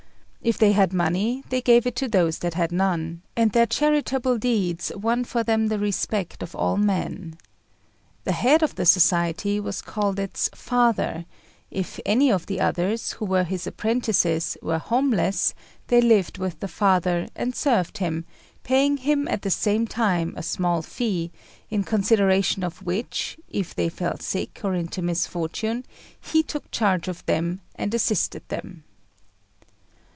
If they had money, they gave it to those that had none, and their charitable deeds won for them the respect of all men. The head of the society was called its "Father"; if any of the others, who were his apprentices, were homeless, they lived with the Father and served him, paying him at the same time a small fee, in consideration of which, if they fell sick or into misfortune, he took charge of them and assisted them.